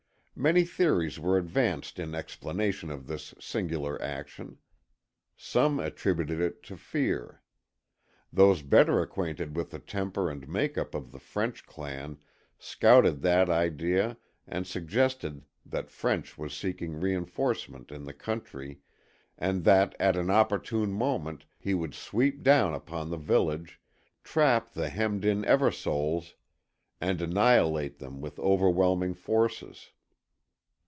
Many theories were advanced in explanation of this singular action. Some attributed it to fear. Those better acquainted with the temper and make up of the French clan scouted that idea and suggested that French was seeking reinforcement in the country, and that at an opportune moment he would sweep down upon the village, trap the hemmed in Eversoles, and annihilate them with overwhelming forces.